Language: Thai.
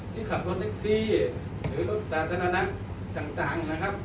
ที่ขับรถแท็กซี่หรือรถสาธารณะต่างนะครับ